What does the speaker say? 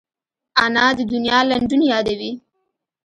انا د دنیا لنډون یادوي